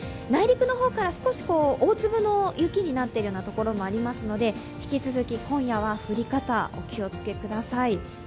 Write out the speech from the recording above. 内陸の方から少し大粒の雪になっているところもありますので引き続き今夜は降り方、お気をつけください。